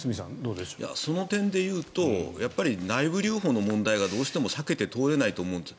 その点で言うと内部留保の問題がどうしても避けて通れないと思うんです。